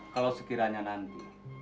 kalau sekiranya nanti